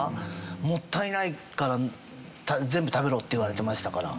もったいないから全部食べろって言われてましたから。